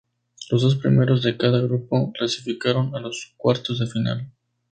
Los dos primeros de cada grupo clasificaron a los cuartos de final.